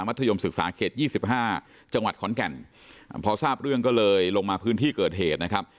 ธยมศึกษาเขต๒๕จังหวัดขอนแก่นพอทราบเรื่องก็เลยลงมาพื้นที่เกิดเหตุนะครับ